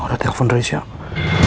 ada telepon dari siapa